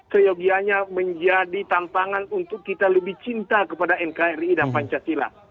seyogianya menjadi tantangan untuk kita lebih cinta kepada nkri dan pancasila